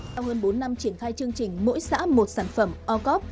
sau hơn bốn năm triển khai chương trình mỗi xã một sản phẩm orcop